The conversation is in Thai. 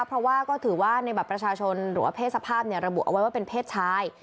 เพราะว่าก็ถือว่าในบัตรประชาชนหรือว่าเพศสภาพเนี่ย